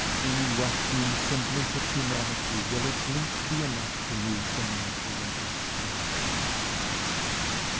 Any rough hewn semblance of humanity will at length be enough to move the man to reverence and affection.